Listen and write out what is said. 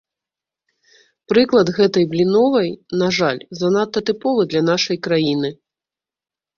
Прыклад гэтай бліновай, на жаль, занадта тыповы для нашай краіны.